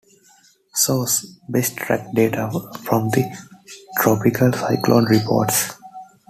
Source: Best Track data from the Tropical Cyclone Reports.